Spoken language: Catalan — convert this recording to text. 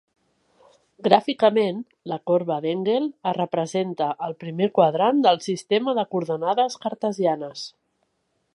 Gràficament, la corba d'Engel es representa al primer quadrant del sistema de coordenades cartesianes.